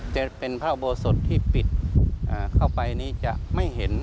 จะเป็นพระอุโบสถที่ปิดเข้าไปนี้จะไม่เห็น